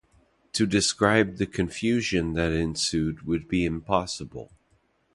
To describe the confusion that ensued would be impossible.